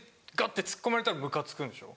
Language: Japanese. てツッコまれたらムカつくんでしょ。